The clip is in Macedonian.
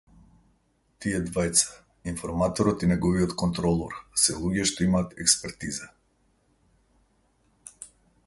Тие двајца, информаторот и неговиот контролор се луѓе што имаат експертиза.